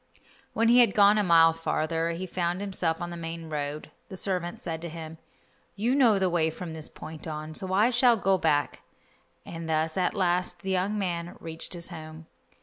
When he had gone a mile farther he found himself on the main road. The servant said to him, "You know the way from this point on, so I shall go back," and thus at last the young man reached his home.